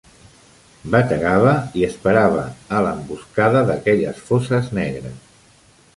Bategava i esperava a l'emboscada d'aquelles fosses negres.